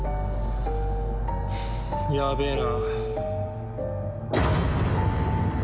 やべえな。